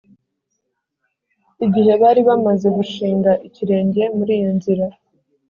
Igihe bari bamaze gushinga ikirenge muri iyo nzira